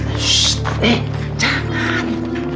apa sih shhh eh jangan